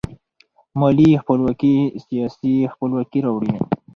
مالي خپلواکي سیاسي خپلواکي راوړي.